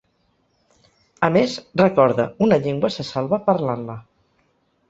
A més, recorda: Una llengua se salva parlant-la.